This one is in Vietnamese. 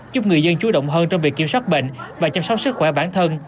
giúp người dân chú động hơn trong việc kiểm soát bệnh và chăm sóc sức khỏe bản thân